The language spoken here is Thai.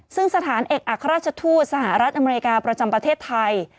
ซึ่งสถานเอกอัครราชทูตสหรัฐอเมริกาประจำประเทศไทย